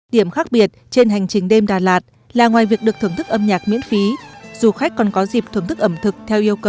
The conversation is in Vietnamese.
điểm khác biệt trên hành trình đêm đà lạt là ngoài việc được thưởng thức âm nhạc miễn phí du khách còn có dịp thưởng thức ẩm thực theo yêu cầu